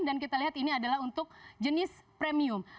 dan kita lihat ini adalah untuk jenis premium